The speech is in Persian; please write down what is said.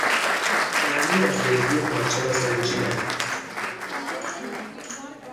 نرمی و زبری پارچه را سنجیدن